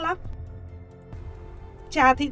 trà thị tuyết sương